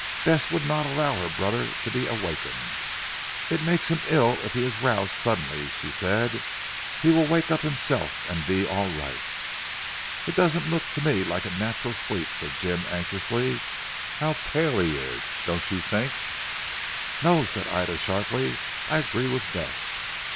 Bess would not allow her brother to be awakened. "It makes him ill if he is roused suddenly," she said. "He will wake up himself and be all right." "It doesn't look to me like a natural sleep," said Jim anxiously. "How pale he is! Don't you think " "No," said Ida sharply, "I agree with Bess.